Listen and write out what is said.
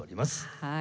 はい。